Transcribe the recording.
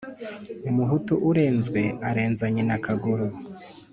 Umuhutu urenzwe arenza nyina akaguru.